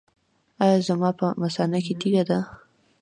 ایا زما په مثانه کې تیږه ده؟